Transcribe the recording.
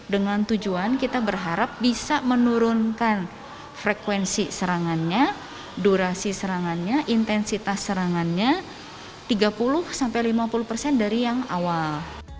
dengan tujuan kita berharap bisa menurunkan frekuensi serangannya durasi serangannya intensitas serangannya tiga puluh sampai lima puluh persen dari yang awal